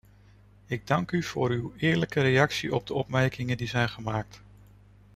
Ik dank u voor uw eerlijke reactie op de opmerkingen die zijn gemaakt.